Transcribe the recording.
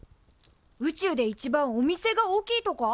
宇宙で一番お店が大きいとか？